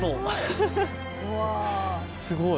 すごい。